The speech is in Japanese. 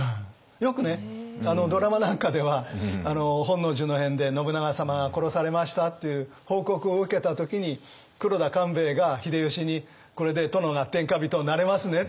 よくねドラマなんかでは本能寺の変で信長様が殺されましたっていう報告を受けた時に黒田官兵衛が秀吉に「これで殿が天下人になれますね」って言った。